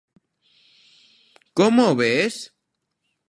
Como o ves?